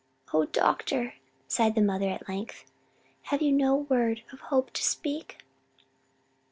"O doctor!" sighed the mother at length, "have you no word of hope to speak?"